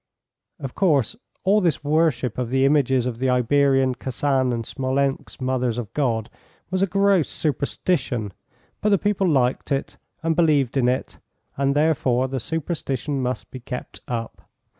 Of course all this worship of the images of the Iberian, Kasan and Smolensk Mothers of God was a gross superstition, but the people liked it and believed in it, and therefore the superstition must be kept up.